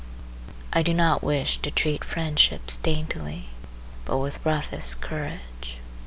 I do not wish to treat friendships daintily, but with roughest courage.